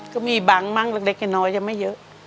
ก็มีบังก์มั้งเล็กน้อยยังไม่เยอะ